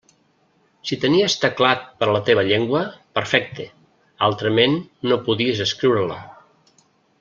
Si tenies teclat per a la teva llengua, perfecte; altrament no podies escriure-la.